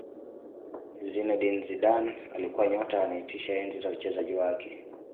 Zinedine Zidane alikuwa nyota anayetisha enzi za uchezaji wake